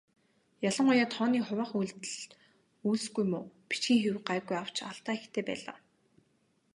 Ялангуяа тооны хуваах үйлдэлд үйлсгүй муу, бичгийн хэв гайгүй авч алдаа ихтэй байлаа.